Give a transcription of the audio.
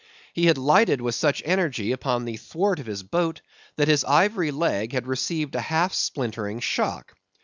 He had lighted with such energy upon a thwart of his boat that his ivory leg had received a half splintering shock.